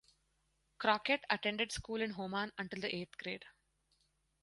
Crockett attended school in Homan until the eighth grade.